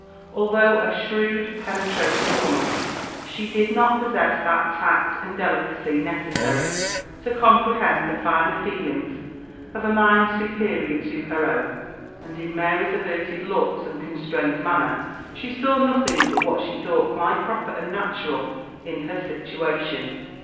Although a shrewd, penetrating woman, she did not possess that tact and delicacy necessary to comprehend the finer feelings of a mind superior to her own; and in Mary's averted looks and constrained manner she saw nothing but what she thought quite proper and natural in her situation.